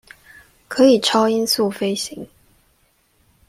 可以超音速飛行